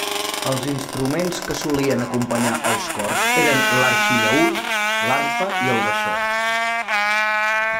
Els instruments que solien acompanyar els cors eren l'arxillaüt, l'arpa i el baixó.